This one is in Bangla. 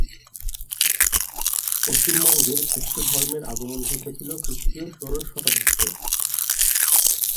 পশ্চিমবঙ্গে খ্রিস্টধর্মের আগমন ঘটেছিল খ্রিস্টীয় ষোড়শ শতাব্দীতে।